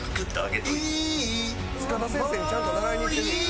「塚田先生にちゃんと習いに行ってる」